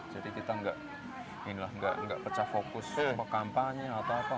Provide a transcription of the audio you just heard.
jadi kita enggak pecah fokus kampanye atau apa